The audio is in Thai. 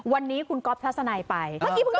วันนี้คุณก๊อฟทัศนัยไป